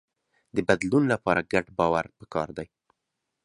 د بدلون لپاره ګډ باور پکار دی.